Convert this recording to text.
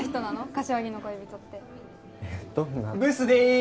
柏木の恋人ってえっどんなブスです